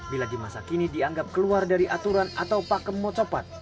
bila di masa kini dianggap keluar dari aturan atau pakem mocopat